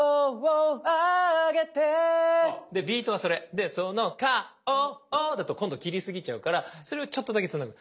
で「その顔を」だと今度切りすぎちゃうからそれをちょっとだけつなぐ。